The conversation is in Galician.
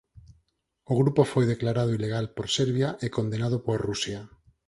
O grupo foi declarado "ilegal" por Serbia e condenado por Rusia.